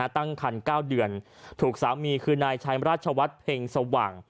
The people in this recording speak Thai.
ตั้งคัน๙เดือนถูกสามีคือนายชายราชวัฒน์เพ็งสว่าง